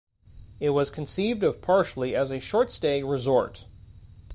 It was conceived of partially as a short-stay resort.